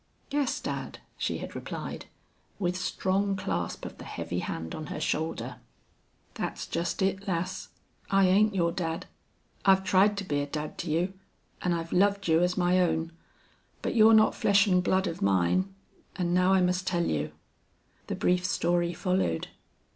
"Yes, dad," she had replied, with strong clasp of the heavy hand on her shoulder. "Thet's just it, lass. I ain't your dad. I've tried to be a dad to you an' I've loved you as my own. But you're not flesh an' blood of mine. An' now I must tell you." The brief story followed.